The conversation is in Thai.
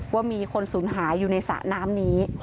ว่ามีคนสูญหายอยู่ในสระน้ำนี้